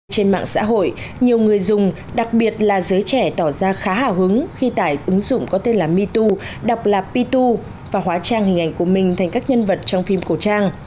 trên mạng xã hội nhiều người dùng đặc biệt là giới trẻ tỏ ra khá hào hứng khi tải ứng dụng có tên là mito đọc là pitu và hóa trang hình ảnh của mình thành các nhân vật trong phim cổ trang